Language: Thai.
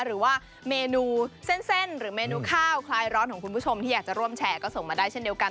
หรือว่าเมนูเส้นหรือเมนูข้าวคลายร้อนของคุณผู้ชมที่อยากจะร่วมแชร์ก็ส่งมาได้เช่นเดียวกัน